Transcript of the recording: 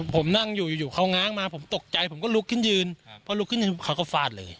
ผมนั่งอยู่อยู่เขาง้างมาผมตกใจผมก็ลุกขึ้นยืนพอลุกขึ้นยืนเขาก็ฟาดเลย